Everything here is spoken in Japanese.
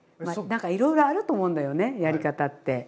何かいろいろあると思うんだよねやり方って。